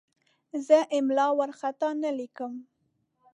زه املا وارخطا نه لیکم.